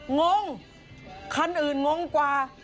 งงคันอื่นงงกว่า